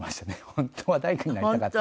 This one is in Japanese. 「本当は大工になりたかった」。